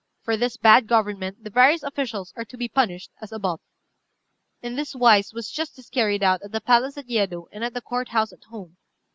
For this bad government the various officials are to be punished as above." In this wise was justice carried out at the palace at Yedo and at the Court house at home.